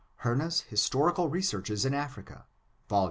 — Herntfs Historical Researches in Africa^ vol.